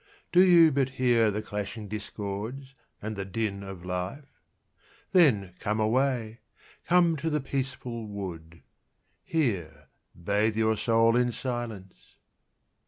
Do you but hear the clashing discords and the din of life? Then come away, come to the peaceful wood, Here bathe your soul in silence.